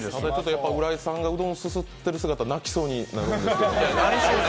やっぱり浦井さんがうどんすすっている映像、泣きそうになるんですけど。